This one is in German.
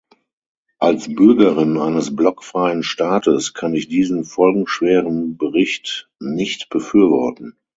Als Bürgerin eines blockfreien Staates kann ich diesen folgenschweren Bericht nicht befürworten.